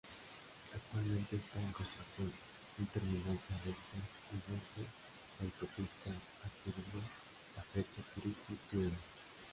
Actualmente está en construcción un terminal terrestre al borde la autopista Acarigua-La flecha-Píritu-Turen.